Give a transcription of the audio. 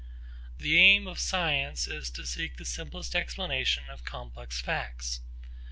The aim of science is to seek the simplest explanations of complex facts.